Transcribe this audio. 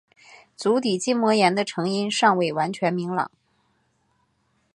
足底筋膜炎的成因尚未完全明朗。